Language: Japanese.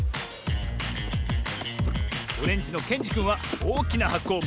オレンジのけんじくんはおおきなはこをもってきたぞ。